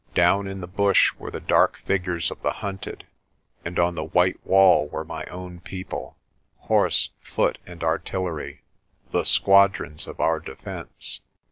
Down in the bush were the dark figures of the hunted, and on the white wall were my own people horse, foot, and artillery, the squadrons of our defence.